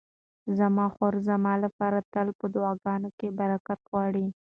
زما خور زما لپاره تل په دعاګانو کې برکت غواړي.